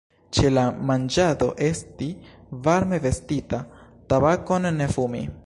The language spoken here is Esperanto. Ĉe la manĝado esti varme vestita; tabakon ne fumi.